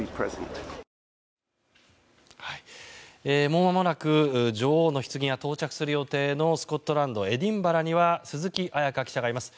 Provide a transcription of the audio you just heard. もうまもなく女王のひつぎが到着する予定のスコットランド・エディンバラには鈴木彩加記者がいます。